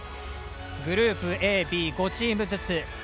グループＡ、Ｂ、５チームずつ。